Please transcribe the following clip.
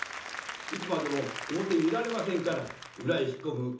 いつまでも表へいられませんから裏へ引っ込む。